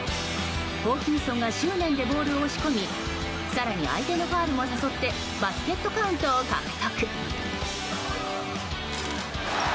ホーキンソンが執念でボールを押し込み更に相手のファウルも誘ってバスケットカウントを獲得。